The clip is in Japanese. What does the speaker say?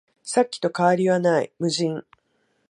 さっきと変わりはない、無人